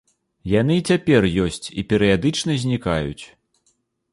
Яны і цяпер ёсць і перыядычна знікаюць.